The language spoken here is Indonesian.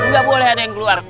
nggak boleh ada yang keluar